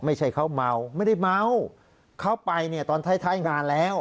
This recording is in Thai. ไม่ใช่เขาเมาไม่ได้เมาเขาไปเนี่ยตอนท้ายท้ายงานแล้ว